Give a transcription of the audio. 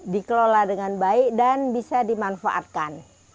dikelola dengan baik dan bisa dimanfaatkan